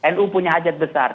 nu punya hajat besar